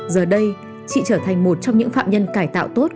giờ đây chị trở thành một trong những phạm nhân cải tạo tốt